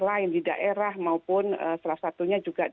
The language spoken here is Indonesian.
lain di daerah maupun salah satunya juga